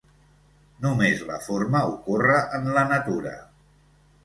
Només la forma ocorre en la natura.